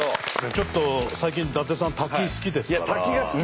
ちょっと最近伊達さん滝好きですから。